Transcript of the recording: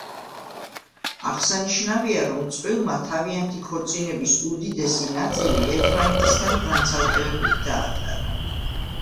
აღსანიშნავია, რომ წყვილმა თავიანთი ქორწინების უდიდესი ნაწილი ერთმანეთისგან განცალკევებით გაატარა.